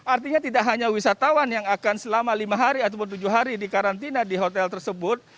artinya tidak hanya wisatawan yang akan selama lima hari ataupun tujuh hari di karantina di hotel tersebut